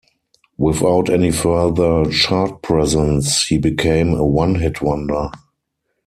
Without any further chart presence, he became a one-hit wonder.